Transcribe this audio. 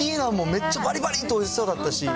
めっちゃばりばりっておいしそうだったし。